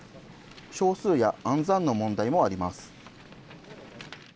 小数や暗算の問題もあります。